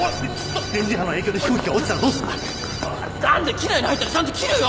機内に入ったらちゃんと切るよ。